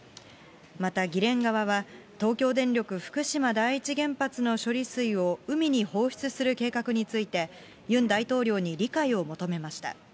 また議連側は、東京電力福島第一原発の処理水を海に放出する計画について、ユン大統領に理解を求めました。